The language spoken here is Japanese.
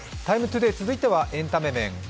「ＴＩＭＥ，ＴＯＤＡＹ」続いてはエンタメ面。